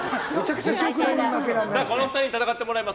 この２人に戦ってもらいます。